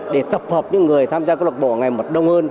để tập hợp những người tham gia câu lục bộ ngày mặt đông hơn